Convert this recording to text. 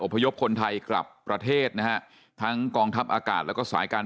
พยพคนไทยกลับประเทศนะฮะทั้งกองทัพอากาศแล้วก็สายการ